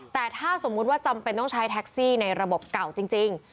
แต่ถ้าสมมุติว่าจำเป็นต้องใช้แท็กซี่ในระบบเก่าจริง